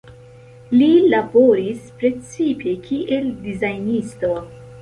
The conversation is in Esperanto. Li laboris precipe kiel dizajnisto.